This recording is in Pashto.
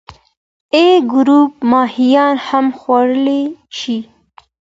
A ګروپ ماهیان هم خوړلی شي.